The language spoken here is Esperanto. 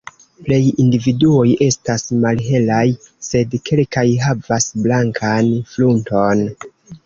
Plej individuoj estas malhelaj, sed kelkaj havas blankan frunton.